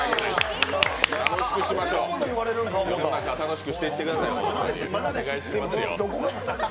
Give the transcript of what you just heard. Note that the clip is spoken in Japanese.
世の中、楽しくしていってください、お願いしますよ。